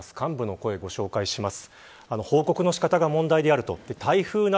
幹部の声ご紹介します。